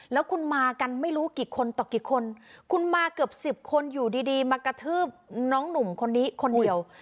แล้วคุณมากันไม่รู้กี่คนต่อกี่คนคุณมาเกือบสิบคนอยู่ดีมากระทืบน้องหนุ่มคนนี้คนเดียว